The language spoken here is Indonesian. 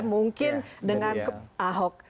mungkin dengan ahok